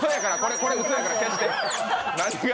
これ、うそやから消して。